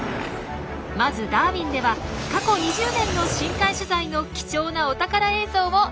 まずダーウィンでは過去２０年の深海取材の貴重なお宝映像を一挙公開。